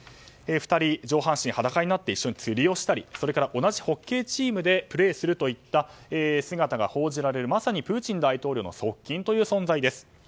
２人、上半身裸になって一緒に釣りをしたりそれから同じホッケーチームでプレーするといった姿が報じられる、まさにプーチン大統領の側近という存在です。